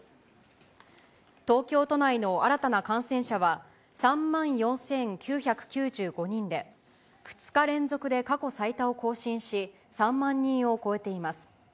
東京都内の新たな感染者は、３万４９９５人で、２日連続で過去最多を更新し、３万人を超えています。